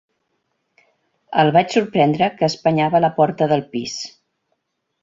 El vaig sorprendre que espanyava la porta del pis.